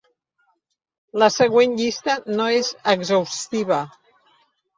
La següent llista no és exhaustiva.